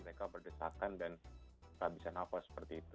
kita bisa berdesakan dan tak bisa nafas seperti itu